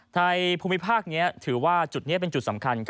ในภูมิภาคนี้ถือว่าจุดนี้เป็นจุดสำคัญ